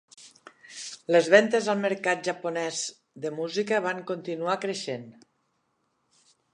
Les ventes al mercat japonès de música van continuar creixent.